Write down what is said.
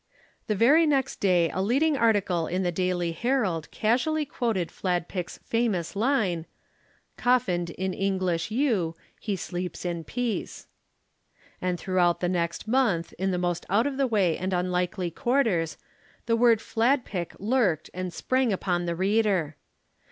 The very next day a leading article in the Daily Herald casually quoted Fladpick's famous line: "Coffined in English yew, he sleeps in peace." And throughout the next month, in the most out of the way and unlikely quarters, the word Fladpick lurked and sprang upon the reader.